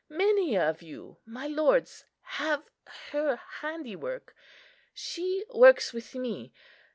Many of you, my lords, have her handiwork. She works with me.